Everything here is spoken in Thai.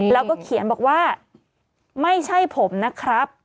แล้วก็เขียนบอกว่าไม่ใช่ผมนะครับ